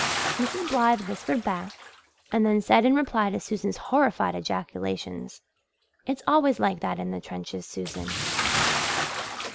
Mrs. Blythe whispered back and then said in reply to Susan's horrified ejaculations, "It's always like that in the trenches, Susan."